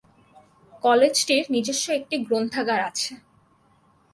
কলেজটির নিজস্ব একটি গ্রন্থাগার আছে।